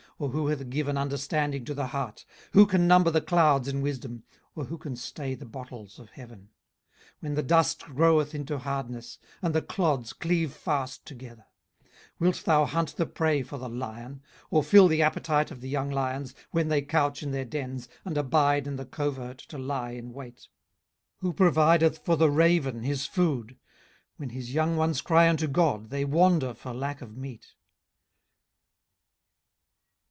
or who hath given understanding to the heart? 18:038:037 Who can number the clouds in wisdom? or who can stay the bottles of heaven, 18:038:038 When the dust groweth into hardness, and the clods cleave fast together? 18:038:039 Wilt thou hunt the prey for the lion? or fill the appetite of the young lions, 18:038:040 When they couch in their dens, and abide in the covert to lie in wait? 18:038:041 Who provideth for the raven his food? when his young ones cry unto God, they wander for lack of meat.